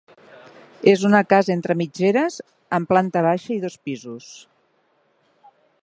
És una casa entre mitgeres amb planta baixa i dos pisos.